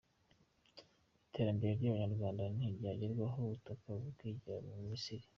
Iterambere ry’Abanyarwanda ntiryagerwaho ubutaka bwigira mu Misiri